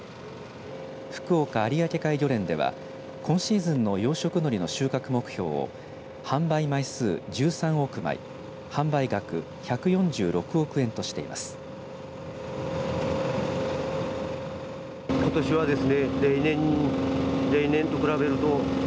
福岡有明海漁連では今シーズンの養殖のりの収穫目標を販売枚数１３億枚販売額１４６億円としています。